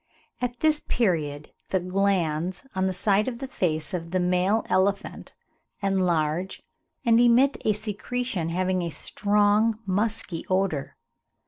At this period the glands on the sides of the face of the male elephant enlarge, and emit a secretion having a strong musky odour.